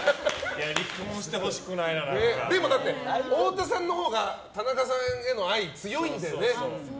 でもだって、太田さんのほうが田中さんへの愛強いんだよね。